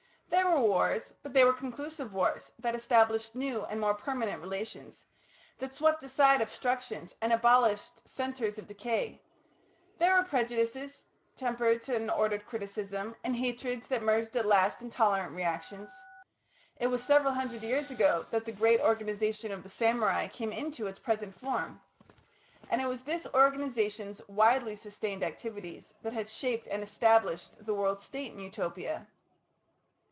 There were wars, but they were conclusive wars that established new and more permanent relations, that swept aside obstructions, and abolished centres of decay; there were prejudices tempered to an ordered criticism, and hatreds that merged at last in tolerant reactions. It was several hundred years ago that the great organisation of the samurai came into its present form. And it was this organisation's widely sustained activities that had shaped and established the World State in Utopia.